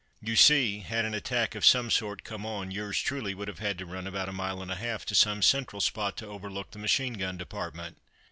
You see, had an attack of some sort come on, yours truly would have had to run about a mile and a half to some central spot to overlook the machine gun department.